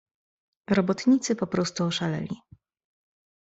"Robotnicy poprostu oszaleli."